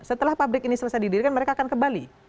setelah pabrik ini selesai didirikan mereka akan kembali